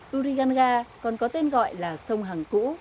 buriganga còn có tên gọi là sông hằng cũ